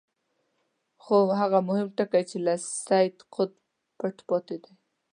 خو هغه مهم ټکی چې له سید قطب پټ پاتې دی.